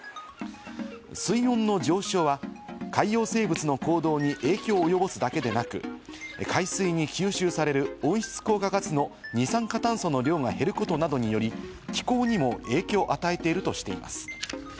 水温の上昇は海洋生物の行動に影響を及ぼすだけでなく、海水に吸収される、温室効果ガスの二酸化炭素の量が減ることなどにより、気候にも影響を与えるとしています。